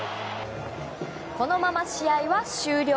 このまま試合は終了。